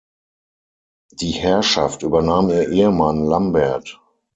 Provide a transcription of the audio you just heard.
Die Herrschaft übernahm ihr Ehemann Lambert.